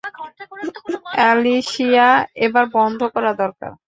Alicia, এবার বন্ধ করা দরকার।